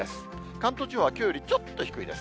関東地方はきょうよりちょっと低いです。